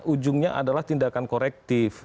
ujungnya adalah tindakan korektif